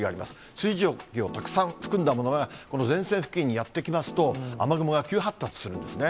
水蒸気をたくさん含んだものが、この前線付近にやって来ますと、雨雲が急発達するんですね。